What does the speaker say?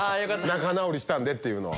仲直りしたんでっていうのは。